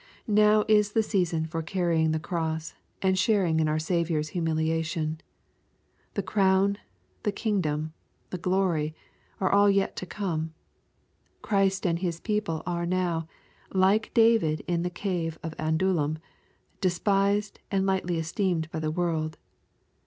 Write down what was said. Now is the season for carrying the cross, and sharing in our Saviour's humiliation. The crown, the kingdom, the glory, are aill yet to copie. Christ and His people are now, like David in the cave of Adullam, despised, and lightly esteemed by the world.